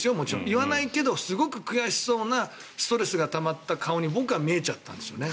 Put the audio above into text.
言わないけど、すごく悔しそうなストレスがたまった顔に僕は見えちゃったんですよね。